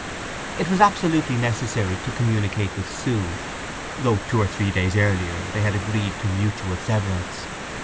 It was absolutely necessary to communicate with Sue, though two or three days earlier they had agreed to mutual severance.